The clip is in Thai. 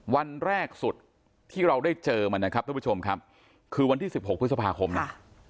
วันแรกสุดที่เราได้เจอมันนะครับทุกผู้ชมครับคือวันที่สิบหกพฤษภาคมเนี่ย